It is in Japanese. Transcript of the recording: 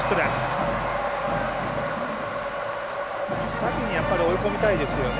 先に追い込みたいですよね。